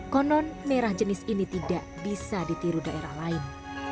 konon merah jenis ini tidak bisa ditiru daerah lain